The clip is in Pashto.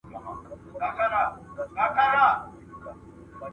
زه له سهاره پلان جوړوم!